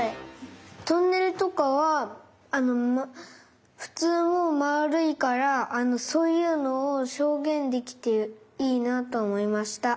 トンネルとかはあのふつうもまるいからあのそういうのをひょうげんできていいなとおもいました。